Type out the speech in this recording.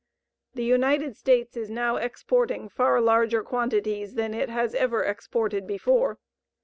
The United States is now exporting far larger quantities than it has ever exported before.